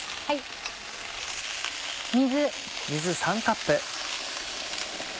水。